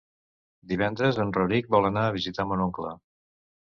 Divendres en Rauric vol anar a visitar mon oncle.